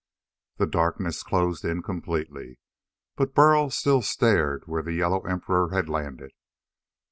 Then darkness closed in completely, but Burl still stared where the yellow emperor had landed.